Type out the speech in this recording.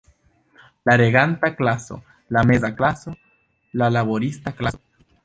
La reganta klaso, la meza klaso, la laborista klaso.